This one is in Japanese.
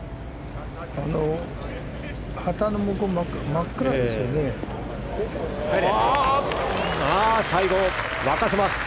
旗の向こうは真っ暗ですね。